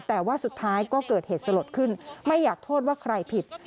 แต่ว่าสุดท้ายก็เกิดเหตุสลดขึ้นไม่อยากโทษว่าใครผิด